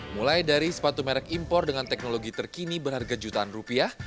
mulai dari sepatu merek impor dengan teknologi terkini berharga jutaan rupiah